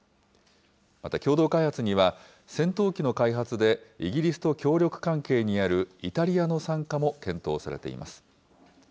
また、共同開発には、戦闘機の開発でイギリスと協力関係にあるイタリアの参加も検討されています。